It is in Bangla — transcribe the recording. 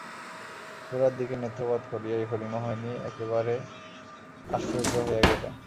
গোরার দিকে নেত্রপাত করিয়াই হরিমোহিনী একেবারে আশ্চর্য হইয়া গেলেন।